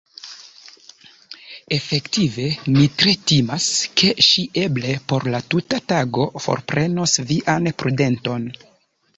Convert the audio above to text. Efektive mi tre timas, ke ŝi eble por la tuta tago forprenos vian prudenton.